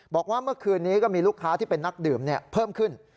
บอกว่าเมื่อคืนนี้ก็มีลูกค้าที่เป็นนักดื่มเพิ่มขึ้น